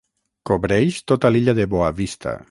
Cobreix tota l'illa de Boa Vista.